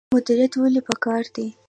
مدیریت ولې پکار دی؟